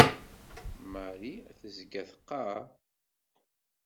Marie tezga teqqar.